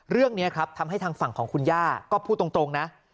เรื่องนี้ครับทำให้ทางฝั่งของคุณย่าก็พูดตรงนะ